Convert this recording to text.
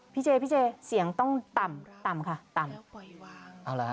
พี่เจพี่เจเสียงต้องต่ำต่ำค่ะต่ำ